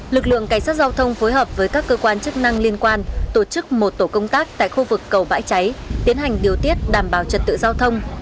lực lượng cảnh sát giao thông phối hợp với các cơ quan chức năng liên quan tổ chức một tổ công tác tại khu vực cầu bãi cháy tiến hành điều tiết đảm bảo trật tự giao thông